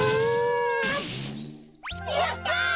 やった！